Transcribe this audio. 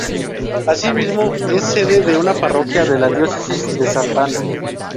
Asimismo, es sede de una parroquia de la Diócesis de Santa Ana.